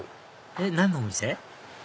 えっ何のお店？